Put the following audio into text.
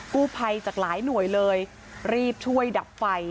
กู้ภัยจากหลายหน่วยเลยรีบช่วยดับไฟ